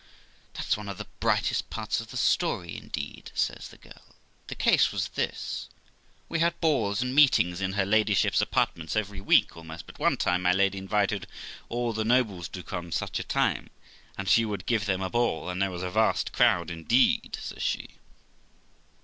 'That's one of the brightest parts of her story, indeed' says the girl. ' The case was this : we had balls and meetings in her ladyship's apart ments every week almost; but one time my lady invited all the nobles to come such a time, and she would give them a ball ; and there was a vast crowd indeed', says she.